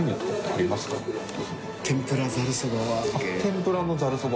天ぷらのザルそば？